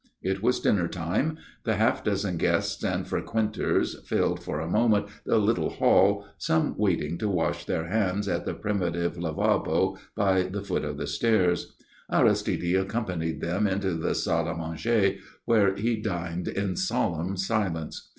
It was dinner time. The half dozen guests and frequenters filled for a moment the little hall, some waiting to wash their hands at the primitive lavabo by the foot of the stairs. Aristide accompanied them into the salle à manger, where he dined in solemn silence.